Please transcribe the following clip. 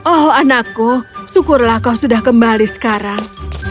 oh anakku syukurlah kau sudah kembali sekarang